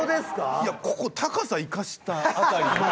いやここ高さ生かした辺りの。